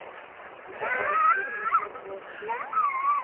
دا باتور ملت غرقیږي